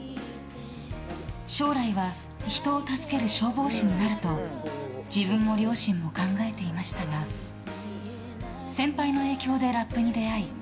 将来は人を助ける消防士になると自分も両親も考えていましたが先輩の影響でラップに出会い